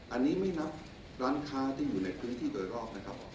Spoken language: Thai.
อันนี้ไม่นับร้านค้าที่อยู่ในพื้นที่โดยรอบนะครับ